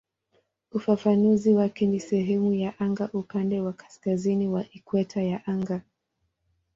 Ufafanuzi wake ni "sehemu ya anga upande wa kaskazini wa ikweta ya anga".